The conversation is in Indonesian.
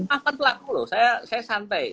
apa pelaku loh saya santai